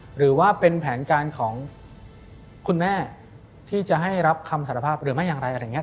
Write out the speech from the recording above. หรือว่าเป็นแผนการของคุณแม่ที่จะให้รับคำสารภาพหรือไม่อย่างไรอะไรอย่างนี้